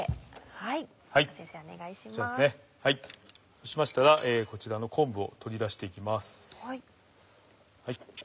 そうしましたらこちらの昆布を取り出していきます。